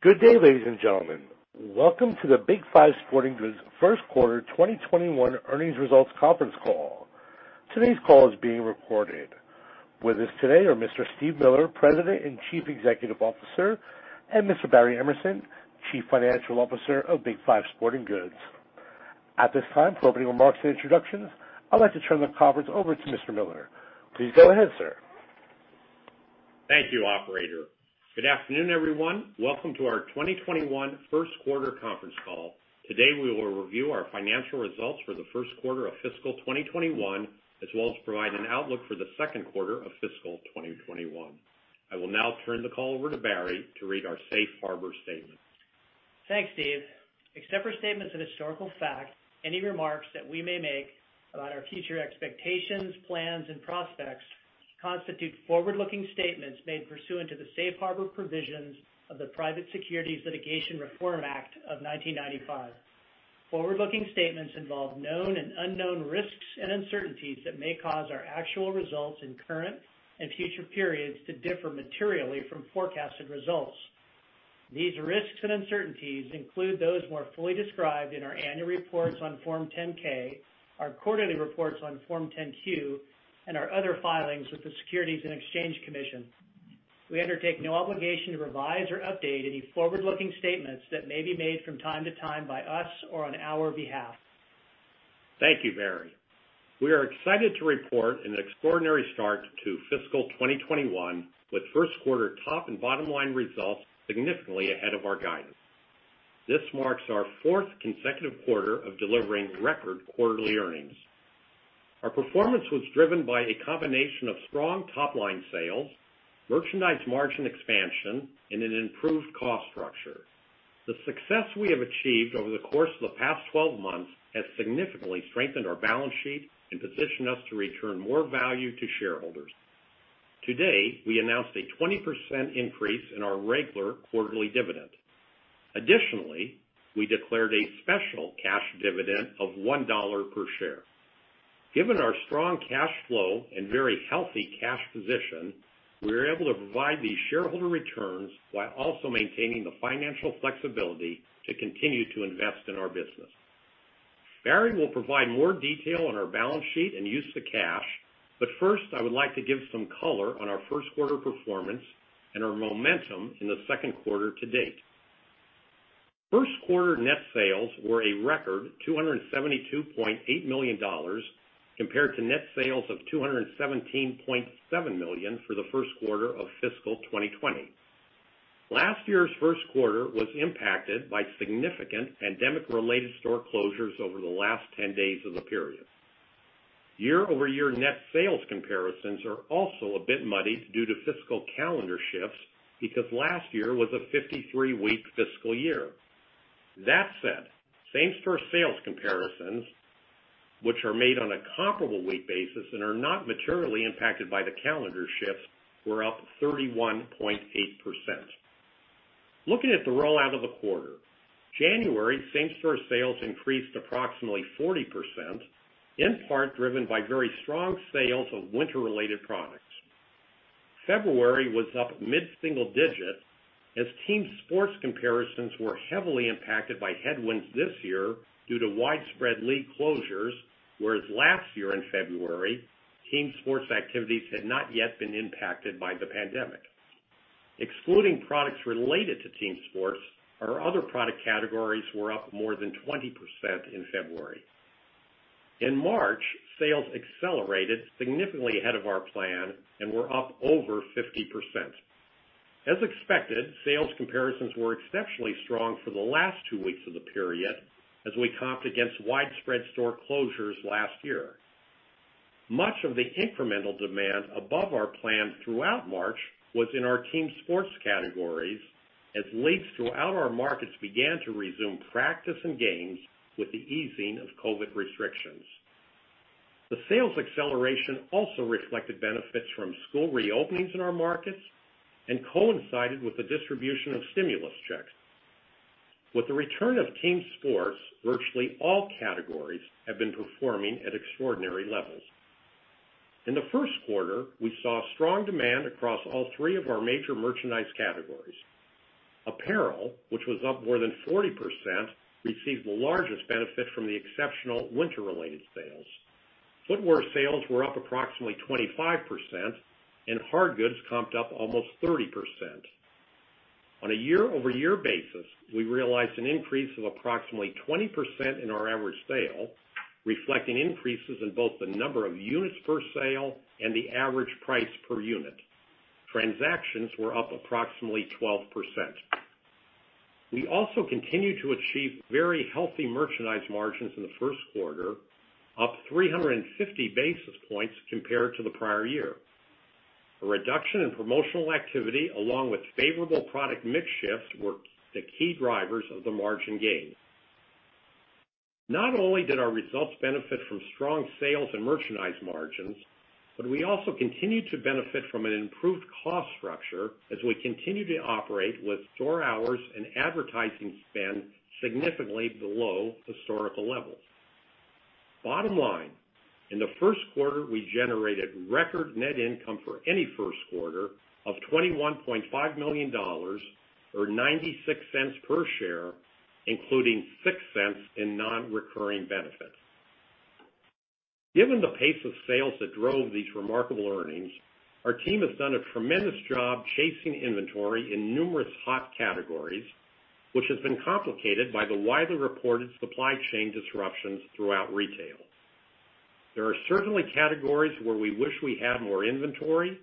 Good day, ladies and gentlemen. Welcome to the Big 5 Sporting Goods first quarter 2021 earnings results conference call. Today's call is being recorded. With us today are Mr. Steve Miller, President and Chief Executive Officer, and Mr. Barry Emerson, Chief Financial Officer of Big 5 Sporting Goods. At this time, for opening remarks and introductions, I'd like to turn the conference over to Mr. Miller. Please go ahead, sir. Thank you, operator. Good afternoon, everyone. Welcome to our 2021 first quarter conference call. Today, we will review our financial results for the first quarter of fiscal 2021, as well as provide an outlook for the second quarter of fiscal 2021. I will now turn the call over to Barry to read our Safe Harbor statement. Thanks, Steve. Except for statements of historical fact, any remarks that we may make about our future expectations, plans and prospects constitute forward-looking statements made pursuant to the safe harbor provisions of the Private Securities Litigation Reform Act of 1995. Forward-looking statements involve known and unknown risks and uncertainties that may cause our actual results in current and future periods to differ materially from forecasted results. These risks and uncertainties include those more fully described in our annual reports on Form 10-K, our quarterly reports on Form 10-Q, and our other filings with the Securities and Exchange Commission. We undertake no obligation to revise or update any forward-looking statements that may be made from time to time by us or on our behalf. Thank you, Barry. We are excited to report an extraordinary start to fiscal 2021, with first quarter top and bottom line results significantly ahead of our guidance. This marks our fourth consecutive quarter of delivering record quarterly earnings. Our performance was driven by a combination of strong top-line sales, merchandise margin expansion, and an improved cost structure. The success we have achieved over the course of the past 12 months has significantly strengthened our balance sheet and positioned us to return more value to shareholders. Today, we announced a 20% increase in our regular quarterly dividend. Additionally, we declared a special cash dividend of $1 per share. Given our strong cash flow and very healthy cash position, we are able to provide these shareholder returns while also maintaining the financial flexibility to continue to invest in our business. Barry will provide more detail on our balance sheet and use of cash, but first, I would like to give some color on our first quarter performance and our momentum in the second quarter to date. First quarter net sales were a record $272.8 million compared to net sales of $217.7 million for the first quarter of fiscal 2020. Last year's first quarter was impacted by significant pandemic-related store closures over the last 10 days of the period. Year-over-year net sales comparisons are also a bit muddied due to fiscal calendar shifts because last year was a 53-week fiscal year. That said, same-store sales comparisons, which are made on a comparable week basis and are not materially impacted by the calendar shifts, were up 31.8%. Looking at the rollout of the quarter, January same store sales increased approximately 40%, in part driven by very strong sales of winter related products. February was up mid-single digit as team sports comparisons were heavily impacted by headwinds this year due to widespread league closures, whereas last year in February, team sports activities had not yet been impacted by the pandemic. Excluding products related to team sports, our other product categories were up more than 20% in February. In March, sales accelerated significantly ahead of our plan and were up over 50%. As expected, sales comparisons were exceptionally strong for the last two weeks of the period as we comped against widespread store closures last year. Much of the incremental demand above our plan throughout March was in our team sports categories, as leagues throughout our markets began to resume practice and games with the easing of COVID-19 restrictions. The sales acceleration also reflected benefits from school reopenings in our markets and coincided with the distribution of stimulus checks. With the return of team sports, virtually all categories have been performing at extraordinary levels. In the first quarter, we saw strong demand across all three of our major merchandise categories. Apparel, which was up more than 40%, received the largest benefit from the exceptional winter related sales. Footwear sales were up approximately 25%, and hard goods comped up almost 30%. On a year-over-year basis, we realized an increase of approximately 20% in our average sale, reflecting increases in both the number of units per sale and the average price per unit. Transactions were up approximately 12%. We also continued to achieve very healthy merchandise margins in the first quarter, up 350 basis points compared to the prior year. A reduction in promotional activity, along with favorable product mix shifts, were the key drivers of the margin gain. Not only did our results benefit from strong sales and merchandise margins, but we also continued to benefit from an improved cost structure as we continue to operate with store hours and advertising spend significantly below historical levels. Bottom line, in the first quarter, we generated record net income for any first quarter of $21.5 million, or $0.96 per share, including $0.06 in non-recurring benefits. Given the pace of sales that drove these remarkable earnings, our team has done a tremendous job chasing inventory in numerous hot categories, which has been complicated by the widely reported supply chain disruptions throughout retail. There are certainly categories where we wish we had more inventory.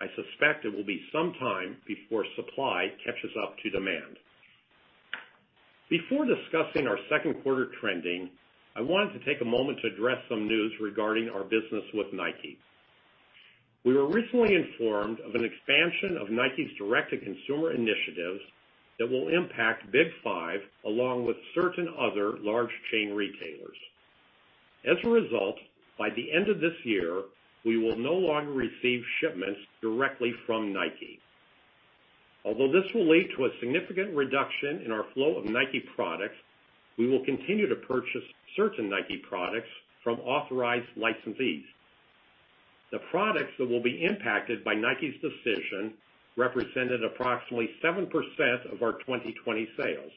I suspect it will be some time before supply catches up to demand. Before discussing our second quarter trending, I wanted to take a moment to address some news regarding our business with Nike. We were recently informed of an expansion of Nike's direct-to-consumer initiatives that will impact Big 5, along with certain other large chain retailers. As a result, by the end of this year, we will no longer receive shipments directly from Nike. Although this will lead to a significant reduction in our flow of Nike products, we will continue to purchase certain Nike products from authorized licensees. The products that will be impacted by Nike's decision represented approximately 7% of our 2020 sales.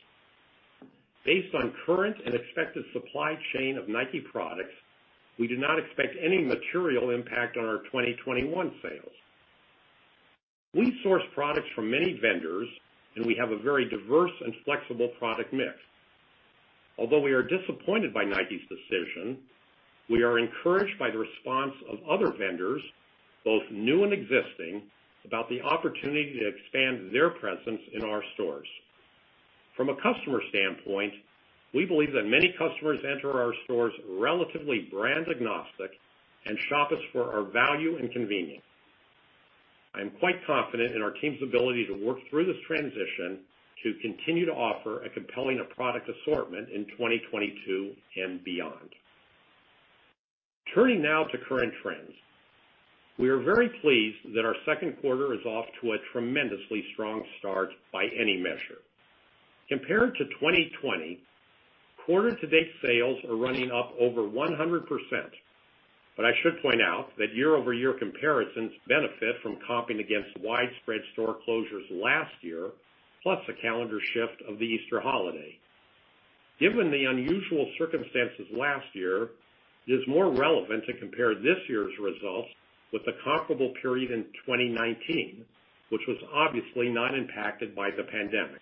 Based on current and expected supply chain of Nike products, we do not expect any material impact on our 2021 sales. We source products from many vendors, and we have a very diverse and flexible product mix. We are disappointed by Nike's decision, we are encouraged by the response of other vendors, both new and existing, about the opportunity to expand their presence in our stores. From a customer standpoint, we believe that many customers enter our stores relatively brand agnostic and shop us for our value and convenience. I am quite confident in our team's ability to work through this transition to continue to offer a compelling product assortment in 2022 and beyond. Turning now to current trends. We are very pleased that our second quarter is off to a tremendously strong start by any measure. Compared to 2020, quarter to date sales are running up over 100%, but I should point out that year-over-year comparisons benefit from comping against widespread store closures last year, plus a calendar shift of the Easter holiday. Given the unusual circumstances last year, it is more relevant to compare this year's results with the comparable period in 2019, which was obviously not impacted by the pandemic.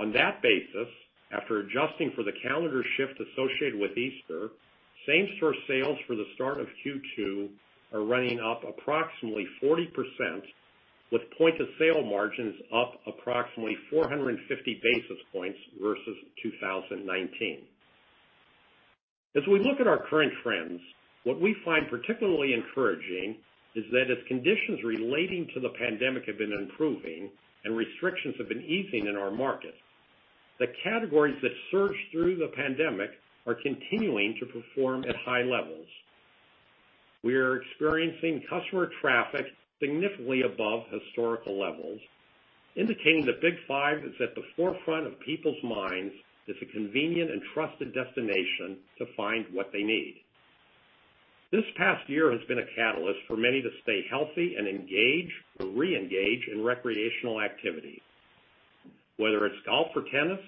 On that basis, after adjusting for the calendar shift associated with Easter, same store sales for the start of Q2 are running up approximately 40%, with point-of-sale margins up approximately 450 basis points versus 2019. As we look at our current trends, what we find particularly encouraging is that as conditions relating to the pandemic have been improving and restrictions have been easing in our markets, the categories that surged through the pandemic are continuing to perform at high levels. We are experiencing customer traffic significantly above historical levels, indicating that Big 5 is at the forefront of people's minds as a convenient and trusted destination to find what they need. This past year has been a catalyst for many to stay healthy and engage or re-engage in recreational activity. Whether it's golf or tennis,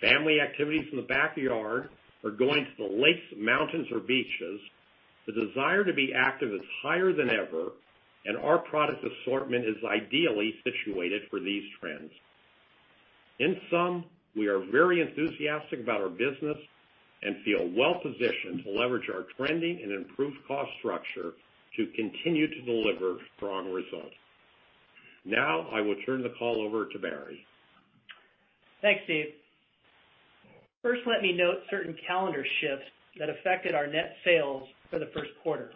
family activities in the backyard, or going to the lakes, mountains, or beaches, the desire to be active is higher than ever, and our product assortment is ideally situated for these trends. In sum, we are very enthusiastic about our business and feel well-positioned to leverage our trending and improved cost structure to continue to deliver strong results. I will turn the call over to Barry. Thanks, Steve. Let me note certain calendar shifts that affected our net sales for the first quarter.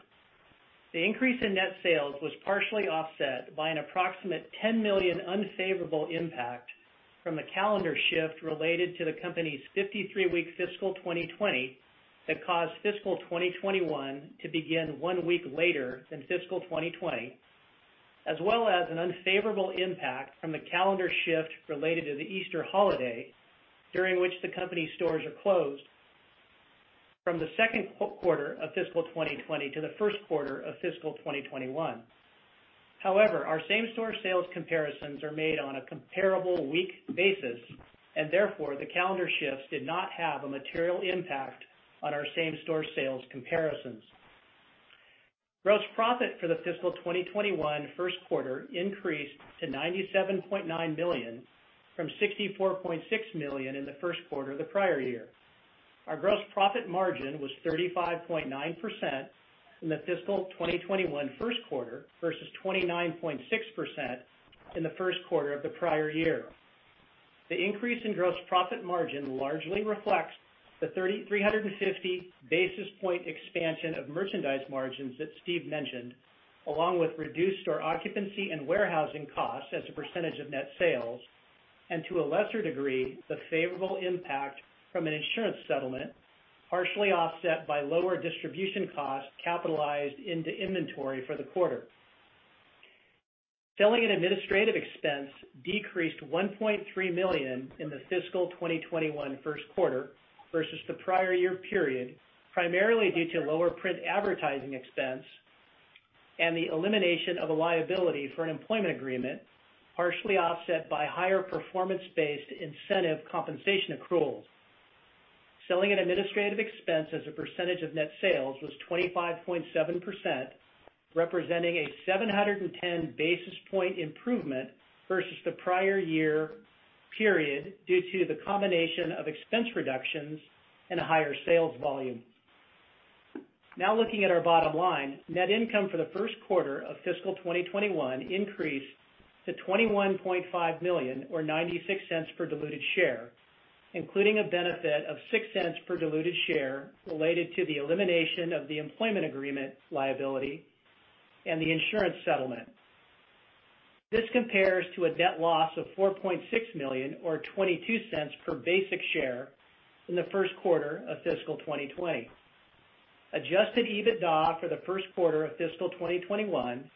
The increase in net sales was partially offset by an approximate $10 million unfavorable impact from the calendar shift related to the company's 53-week fiscal 2020 that caused fiscal 2021 to begin one week later than fiscal 2020, as well as an unfavorable impact from the calendar shift related to the Easter holiday, during which the company stores are closed from the second quarter of fiscal 2020 to the first quarter of fiscal 2021. Our same store sales comparisons are made on a comparable week basis, therefore, the calendar shifts did not have a material impact on our same store sales comparisons. Gross profit for the fiscal 2021 first quarter increased to $97.9 million from $64.6 million in the first quarter of the prior year. Our gross profit margin was 35.9% in the fiscal 2021 first quarter versus 29.6% in the first quarter of the prior year. The increase in gross profit margin largely reflects the 350 basis point expansion of merchandise margins that Steve mentioned, along with reduced store occupancy and warehousing costs as a percentage of net sales, and to a lesser degree, the favorable impact from an insurance settlement, partially offset by lower distribution costs capitalized into inventory for the quarter. Selling and administrative expense decreased $1.3 million in the fiscal 2021 first quarter versus the prior year period, primarily due to lower print advertising expense and the elimination of a liability for an employment agreement, partially offset by higher performance-based incentive compensation accruals. Selling and administrative expense as a percentage of net sales was 25.7%, representing a 710 basis point improvement versus the prior year period, due to the combination of expense reductions and a higher sales volume. Looking at our bottom line, net income for the first quarter of fiscal 2021 increased to $21.5 million, or $0.96 per diluted share, including a benefit of $0.06 per diluted share related to the elimination of the employment agreement liability and the insurance settlement. This compares to a net loss of $4.6 million, or $0.22 per basic share in the first quarter of fiscal 2020. Adjusted EBITDA for the first quarter of fiscal 2021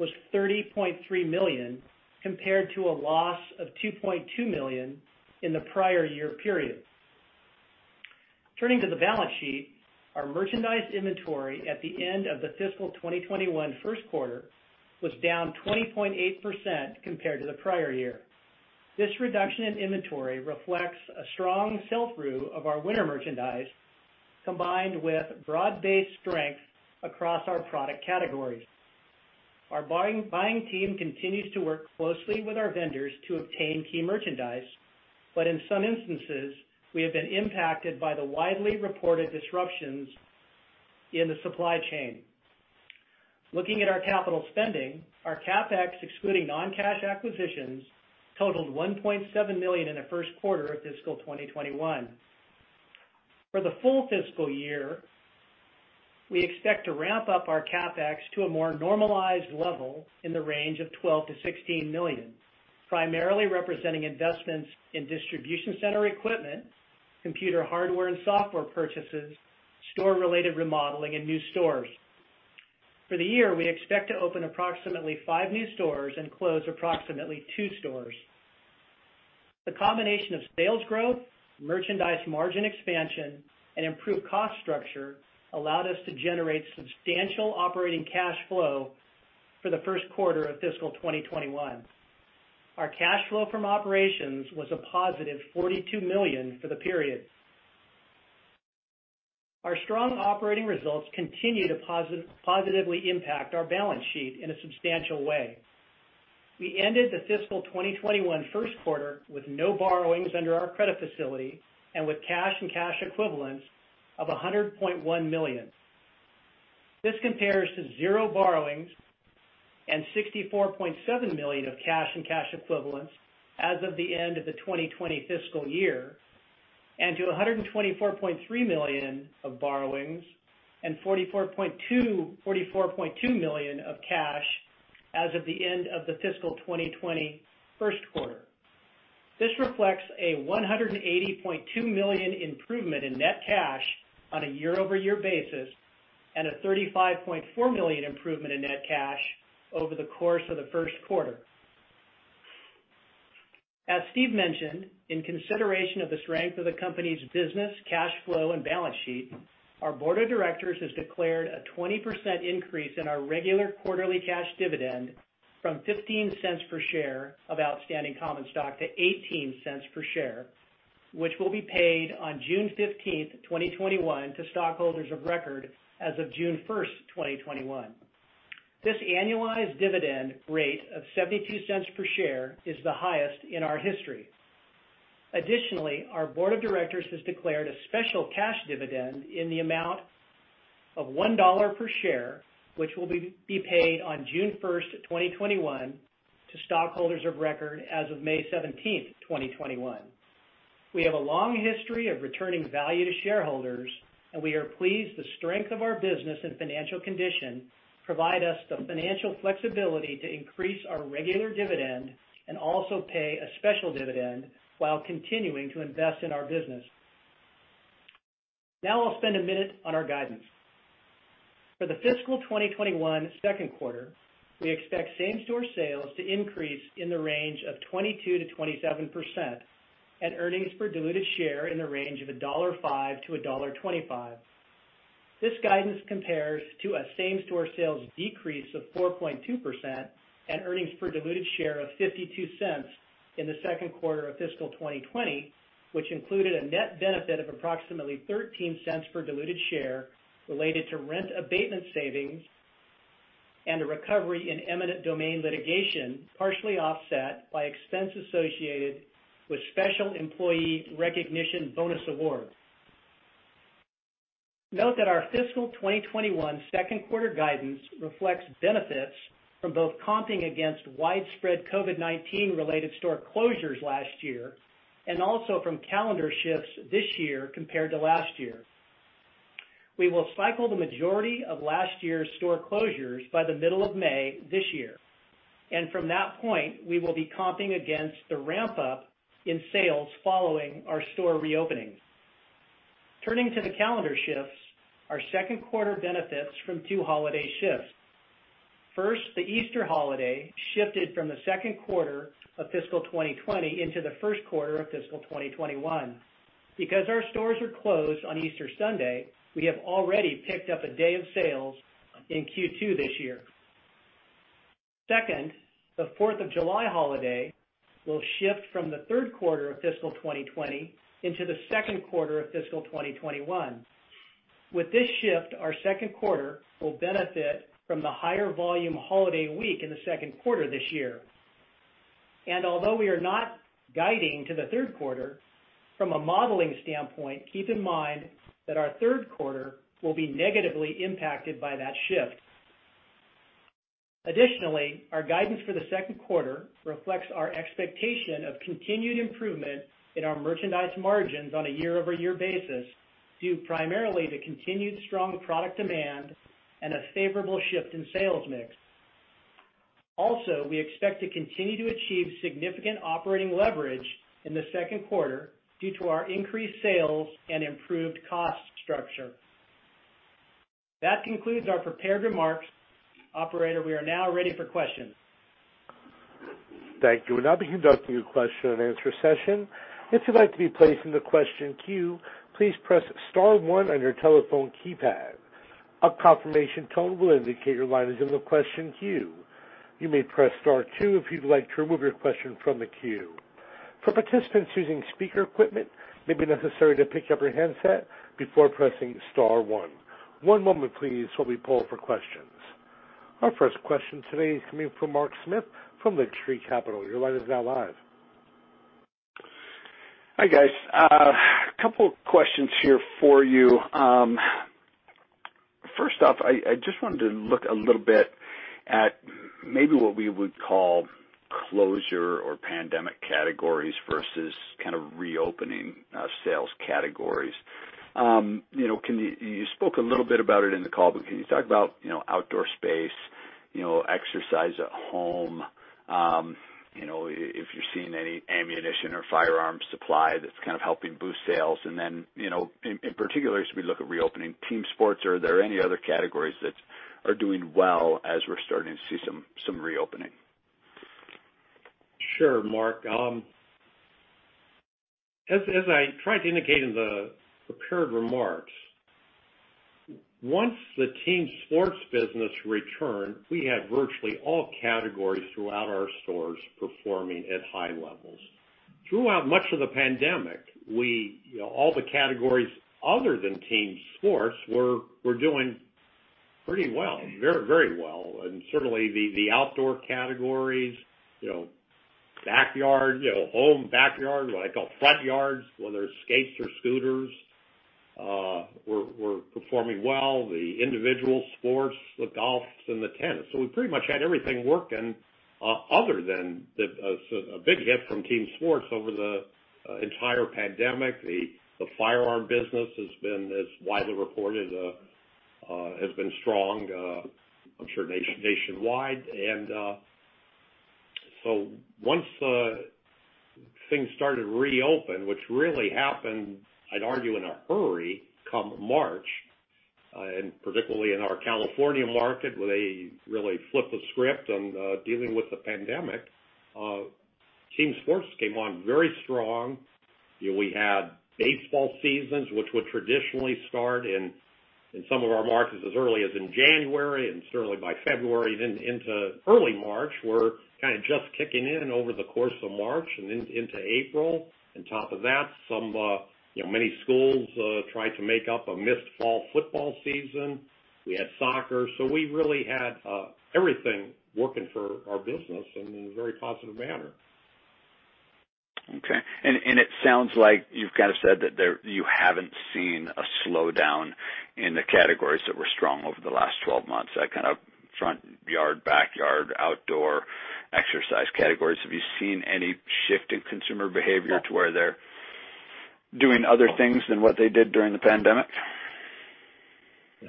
was $30.3 million, compared to a loss of $2.2 million in the prior year period. Turning to the balance sheet, our merchandise inventory at the end of the fiscal 2021 first quarter was down 20.8% compared to the prior year. This reduction in inventory reflects a strong sell-through of our winter merchandise, combined with broad-based strength across our product categories. Our buying team continues to work closely with our vendors to obtain key merchandise, but in some instances, we have been impacted by the widely reported disruptions in the supply chain. Looking at our capital spending, our CapEx, excluding non-cash acquisitions, totaled $1.7 million in the first quarter of fiscal 2021. For the full fiscal year, we expect to ramp up our CapEx to a more normalized level in the range of $12 million-$16 million, primarily representing investments in distribution center equipment, computer hardware and software purchases, store-related remodeling, and new stores. For the year, we expect to open approximately five new stores and close approximately two stores. The combination of sales growth, merchandise margin expansion, and improved cost structure allowed us to generate substantial operating cash flow for the first quarter of fiscal 2021. Our cash flow from operations was a positive $42 million for the period. Our strong operating results continue to positively impact our balance sheet in a substantial way. We ended the fiscal 2021 first quarter with no borrowings under our credit facility and with cash and cash equivalents of $100.1 million. This compares to zero borrowings and $64.7 million of cash and cash equivalents as of the end of the 2020 fiscal year, and to $124.3 million of borrowings and $44.2 million of cash as of the end of the fiscal 2020 first quarter. This reflects a $180.2 million improvement in net cash on a year-over-year basis and a $35.4 million improvement in net cash over the course of the first quarter. As Steve mentioned, in consideration of the strength of the company's business, cash flow, and balance sheet, our board of directors has declared a 20% increase in our regular quarterly cash dividend from $0.15 per share of outstanding common stock to $0.18 per share, which will be paid on June 15th, 2021 to stockholders of record as of June 1st, 2021. This annualized dividend rate of $0.22 per share is the highest in our history. Additionally, our board of directors has declared a special cash dividend in the amount of $1 per share, which will be paid on June 1st, 2021, to stockholders of record as of May 17th, 2021. We have a long history of returning value to shareholders, and we are pleased the strength of our business and financial condition provide us the financial flexibility to increase our regular dividend and also pay a special dividend while continuing to invest in our business. I'll spend a minute on our guidance. For the fiscal 2021 second quarter, we expect same-store sales to increase in the range of 22%-27%, and earnings per diluted share in the range of $1.05-$1.25. This guidance compares to a same-store sales decrease of 4.2% and earnings per diluted share of $0.52 in the second quarter of fiscal 2020, which included a net benefit of approximately $0.13 per diluted share related to rent abatement savings and a recovery in eminent domain litigation, partially offset by expense associated with special employee recognition bonus awards. Note that our fiscal 2021 second quarter guidance reflects benefits from both comping against widespread COVID-19 related store closures last year and also from calendar shifts this year compared to last year. We will cycle the majority of last year's store closures by the middle of May this year, and from that point, we will be comping against the ramp-up in sales following our store reopenings. Turning to the calendar shifts, our second quarter benefits from two holiday shifts. First, the Easter holiday shifted from the second quarter of fiscal 2020 into the first quarter of fiscal 2021. Because our stores are closed on Easter Sunday, we have already picked up a day of sales in Q2 this year. Second, the July 4th holiday will shift from the third quarter of fiscal 2020 into the second quarter of fiscal 2021. With this shift, our second quarter will benefit from the higher volume holiday week in the second quarter this year. Although we are not guiding to the third quarter, from a modeling standpoint, keep in mind that our third quarter will be negatively impacted by that shift. Additionally, our guidance for the second quarter reflects our expectation of continued improvement in our merchandise margins on a year-over-year basis, due primarily to continued strong product demand and a favorable shift in sales mix. We expect to continue to achieve significant operating leverage in the second quarter due to our increased sales and improved cost structure. That concludes our prepared remarks. Operator, we are now ready for questions. Thank you. We'll now be conducting a question and answer session. If you'd like to be placed in the question queue, please press star one on your telephone keypad. A confirmation tone will indicate your line is in the question queue. You may press star two if you'd like to remove your question from the queue. For participants using speaker equipment, it may be necessary to pick up your handset before pressing star one. One moment please while we poll for questions. Our first question today is coming from Mark Smith from Lake Street Capital Markets. Your line is now live. Hi, guys. A couple of questions here for you. I just wanted to look a little bit at maybe what we would call closure or pandemic categories versus kind of reopening sales categories. You spoke a little bit about it in the call, can you talk about outdoor space, exercise at home, if you're seeing any ammunition or firearm supply that's kind of helping boost sales? In particular, as we look at reopening team sports, are there any other categories that are doing well as we're starting to see some reopening? Sure, Mark. As I tried to indicate in the prepared remarks, once the team sports business returned, we had virtually all categories throughout our stores performing at high levels. Throughout much of the pandemic, all the categories other than team sports were doing pretty well, very well, and certainly the outdoor categories, home backyard, what I call front yards, whether it's skates or scooters, were performing well, the individual sports, the golfs, and the tennis. We pretty much had everything working other than a big hit from team sports over the entire pandemic. The firearm business, as widely reported, has been strong, I'm sure nationwide. Once things started to reopen, which really happened, I'd argue, in a hurry come March, and particularly in our California market, where they really flipped the script on dealing with the pandemic, team sports came on very strong. We had baseball seasons, which would traditionally start in some of our markets as early as in January and certainly by February, then into early March, were kind of just kicking in over the course of March and into April. On top of that, many schools tried to make up a missed fall football season. We had soccer. We really had everything working for our business in a very positive manner. Okay. It sounds like you've kind of said that you haven't seen a slowdown in the categories that were strong over the last 12 months, that kind of front yard, backyard, outdoor exercise categories. Have you seen any shift in consumer behavior to where they're doing other things than what they did during the pandemic? Yeah.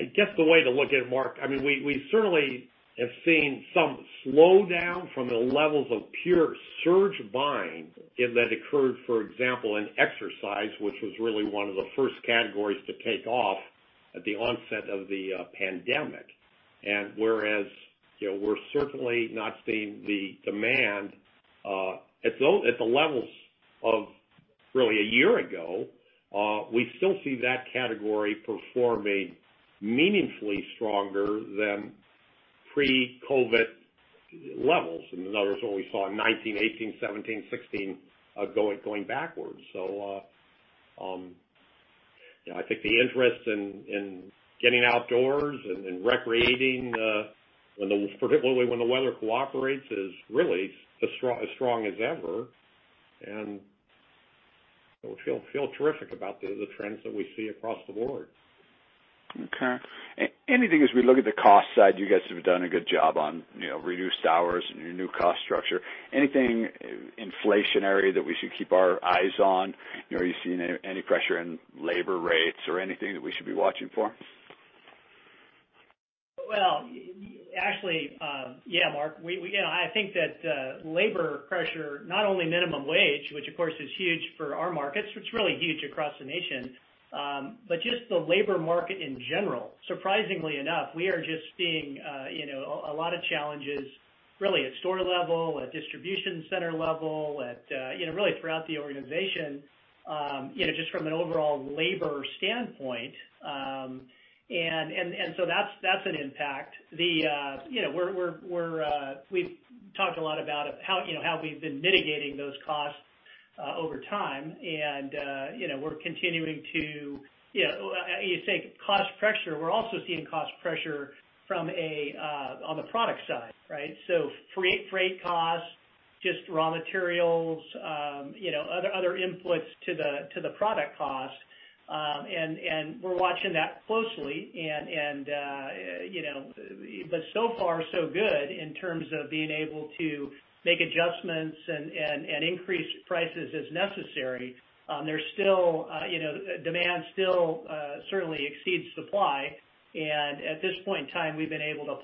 I guess the way to look at it, Mark, we certainly have seen some slowdown from the levels of pure surge buying that occurred, for example, in exercise, which was really one of the first categories to take off at the onset of the pandemic. Whereas we're certainly not seeing the demand at the levels of really a year ago, we still see that category performing meaningfully stronger than pre-COVID-19 levels. In other words, what we saw in 2019, 2018, 2017, 2016, going backwards. I think the interest in getting outdoors and recreating, particularly when the weather cooperates, is really as strong as ever. We feel terrific about the trends that we see across the board. Okay. Anything as we look at the cost side, you guys have done a good job on reduced hours and your new cost structure. Anything inflationary that we should keep our eyes on? Are you seeing any pressure in labor rates or anything that we should be watching for? Well, actually, yeah, Mark. I think that labor pressure, not only minimum wage, which of course is huge for our markets, it's really huge across the nation, but just the labor market in general. Surprisingly enough, we are just seeing a lot of challenges, really at store level, at distribution center level, really throughout the organization, just from an overall labor standpoint. That's an impact. We've talked a lot about how we've been mitigating those costs over time. We're continuing to You say cost pressure, we're also seeing cost pressure on the product side, right? Freight costs, just raw materials, other inputs to the product cost. We're watching that closely. So far, so good in terms of being able to make adjustments and increase prices as necessary. Demand still certainly exceeds supply, and at this point in time, we've been able to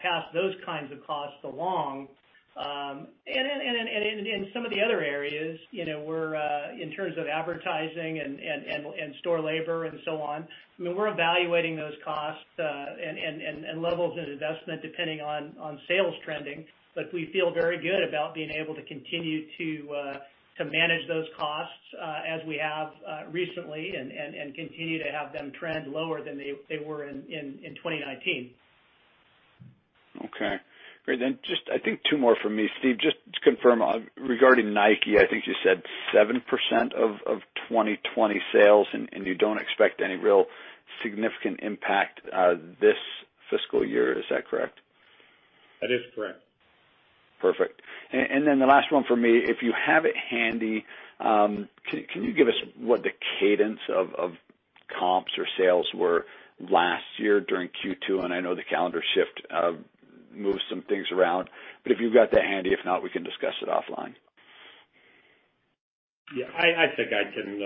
pass those kinds of costs along. In some of the other areas, in terms of advertising and store labor and so on, we're evaluating those costs and levels of investment depending on sales trending. We feel very good about being able to continue to manage those costs as we have recently and continue to have them trend lower than they were in 2019. Okay. Great. Just, I think two more from me. Steve, just to confirm, regarding Nike, I think you said 7% of 2020 sales, and you don't expect any real significant impact this fiscal year. Is that correct? That is correct. Perfect. The last one from me, if you have it handy, can you give us what the cadence of comps or sales were last year during Q2? I know the calendar shift moves some things around. If you've got that handy, if not, we can discuss it offline. Yeah, I think I can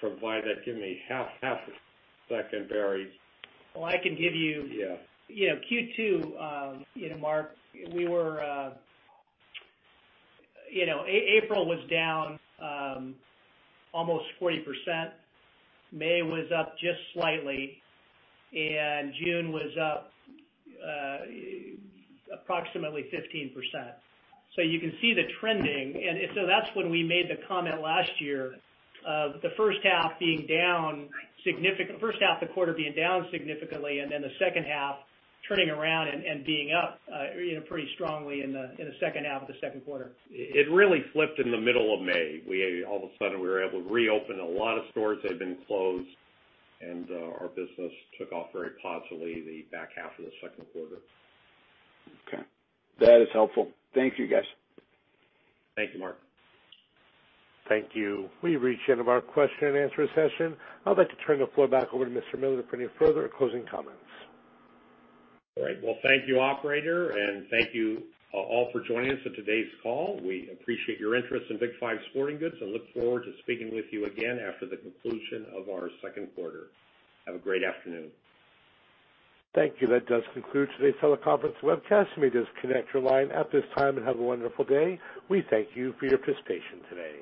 provide that. Give me half a second, Barry. Well, I can give you. Yeah. Yeah. Q2, Mark. April was down almost 40%. May was up just slightly, and June was up approximately 15%. You can see the trending. That's when we made the comment last year of the first half of the quarter being down significantly, and then the second half turning around and being up pretty strongly in the second half of the second quarter. It really flipped in the middle of May. All of a sudden, we were able to reopen a lot of stores that had been closed, and our business took off very positively the back half of the second quarter. Okay. That is helpful. Thank you, guys. Thank you, Mark. Thank you. We've reached the end of our question and answer session. I'd like to turn the floor back over to Mr. Miller for any further closing comments. All right. Well, thank you, operator, and thank you all for joining us on today's call. We appreciate your interest in Big 5 Sporting Goods and look forward to speaking with you again after the conclusion of our second quarter. Have a great afternoon. Thank you. That does conclude today's teleconference webcast. You may disconnect your line at this time and have a wonderful day. We thank you for your participation today.